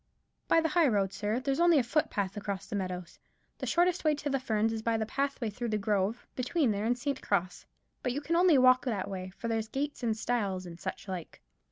"By the high road, sir; there's only a footpath across the meadows. The shortest way to the Ferns is the pathway through the grove between here and St. Cross; but you can only walk that way, for there's gates and stiles, and such like."